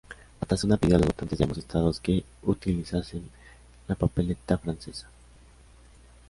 Batasuna pidió a los votantes de ambos estados que utilizasen la papeleta francesa.